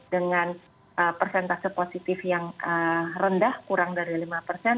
dengan persentase positif yang rendah kurang dari lima persen